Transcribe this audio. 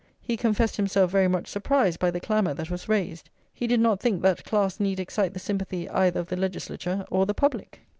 He confessed himself very much surprised by the clamour that was raised. He did not think that class need excite the sympathy either of the legislature or the public."